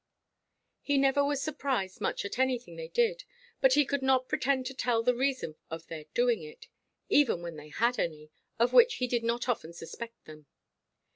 He never was surprised much at anything they did; but he could not pretend to tell the reason of their doing it, even when they had any, of which he did not often suspect them.